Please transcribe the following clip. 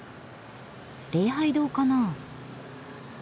礼拝堂かな？